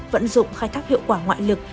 vận dụng khai thác hiệu quả ngoại lực